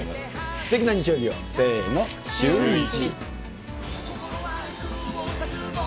すてきな日曜日を、せーの、シューイチ。